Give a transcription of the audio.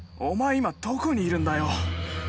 今どこにいるんだよ。